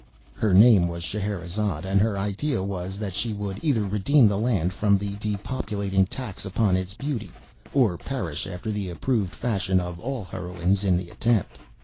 Her name was Scheherazade, and her idea was, that she would either redeem the land from the depopulating tax upon its beauty, or perish, after the approved fashion of all heroines, in the attempt.